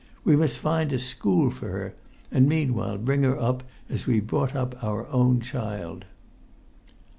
We must find a school for her, and meanwhile bring her up as we've brought up our own child."